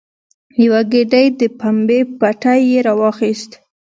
یوه ګېډۍ د پمبې پټی یې راواخیست.